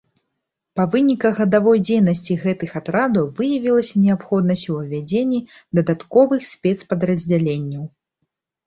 Па выніках гадавой дзейнасці гэтых атрадаў выявілася неабходнасць ва ўвядзенні дадатковых спецпадраздзяленняў.